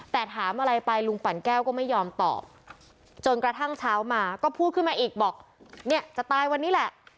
แต่ถามอะไรไปลุงปั่นแก้วก็ไม่ยอมตอบจนกระทั่งเช้ามาก็พูดขึ้นมาอีกบอกเนี่ยจะตายวันนี้แหละ